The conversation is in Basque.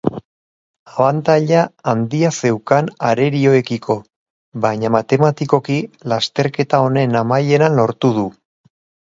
Abantaila handia zeukan arerioekiko, baina matematikoki lasterketa honen amaieran lortu du.